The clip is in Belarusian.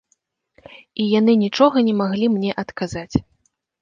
І яны нічога не маглі мне адказаць.